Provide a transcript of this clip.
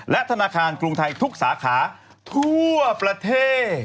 และธนาคารกรุงไทยทุกสาขาทั่วประเทศ